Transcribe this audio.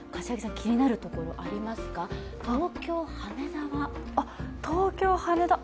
気になるところありますか、東京・羽田は？